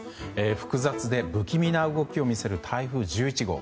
複雑で不気味な動きを見せる台風１１号。